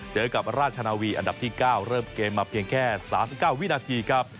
เจอกับราชนาวีอันดับที่เก้าเริ่มเกมมาเพียงแค่สามสิบเก้าวินาทีครับ